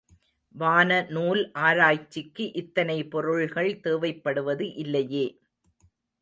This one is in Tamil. வான நூல் ஆராய்ச்சிக்கு இத்தனை பொருள்கள் தேவைப்படுவது இல்லையே.